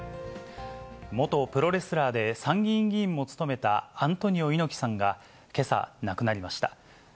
元プロレスラーで参議院議員も務めたアントニオ猪木さんがけさ亡くなりました。